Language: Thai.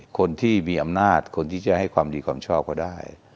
คนที่มีอำนาจคนที่จะให้ความดีความชอบก็ได้